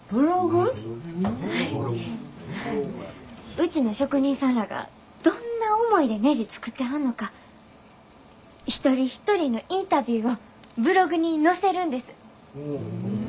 うちの職人さんらがどんな思いでねじ作ってはんのか一人一人のインタビューをブログに載せるんです。